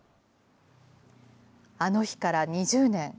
あの日から２０年。